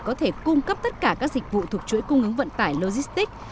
có thể cung cấp tất cả các dịch vụ thuộc chuỗi cung ứng vận tải logistics